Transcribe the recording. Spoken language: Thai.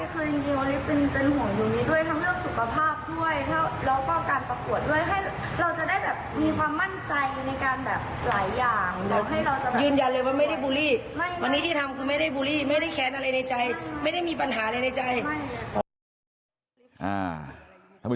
พี่จ้างให้แก้ไขให้พยายาม